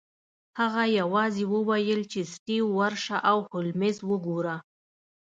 هغه یوازې وویل چې سټیو ورشه او هولمز وګوره